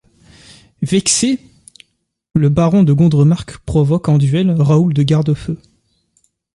Vexé, le baron de Gondremarck provoque en duel Raoul de Gardefeu.